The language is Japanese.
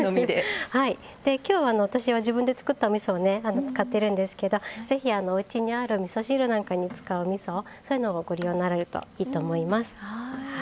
で今日私は自分で作ったおみそをね使ってるんですけど是非おうちにあるみそ汁なんかに使うみそそういうのをご利用になられるといいと思います。